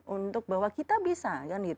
untuk bahwa kita bisa